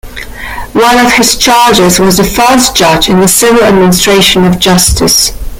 One of his charges was the first judge in the Civil administration of justice.